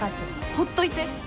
ほっといて。